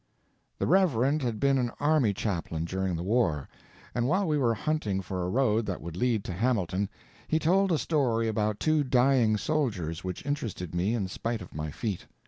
The Reverend had been an army chaplain during the war, and while we were hunting for a road that would lead to Hamilton he told a story about two dying soldiers which interested me in spite of my feet.